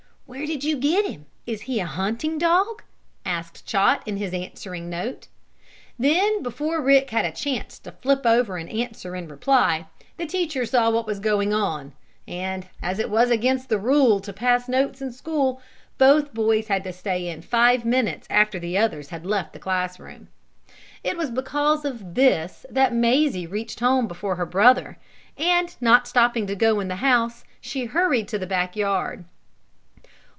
"Where did you get him? Is he a hunting dog?" asked Chot in his answering note. Then, before Rick had a chance to flip over an answer in reply, the teacher saw what was going on, and, as it was against the rule to pass notes in school, both boys had to stay in five minutes after the others had left the class room. It was because of this that Mazie reached home before her brother. And, not stopping to go in the house, she hurried to the back yard.